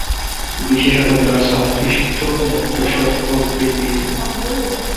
বিশেষত যারা সংশ্লিষ্ট মুক্ত সোর্স প্রযুক্তির উদ্যোক্তা ও কর্তৃপক্ষ হিসেবে সর্বজন স্বীকৃত।